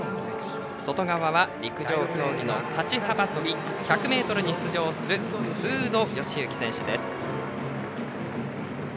外側は、陸上競技の立ち幅跳び１００ｍに出場する数度美幸選手です。